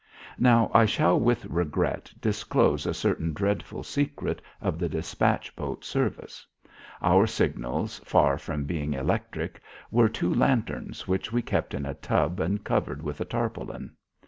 Now I shall with regret disclose a certain dreadful secret of the despatch boat service. Our signals, far from being electric, were two lanterns which we kept in a tub and covered with a tarpaulin.